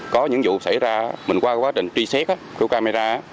có những vụ xảy ra mình qua quá trình truy xét cái camera